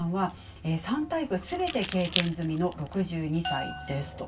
３タイプすべて経験済みの６２歳です。